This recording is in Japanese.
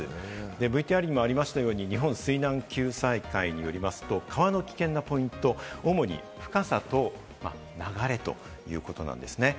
ＶＴＲにもありましたように、日本水難救済会によりますと、川の危険なポイント、主に深さと流れということなんです。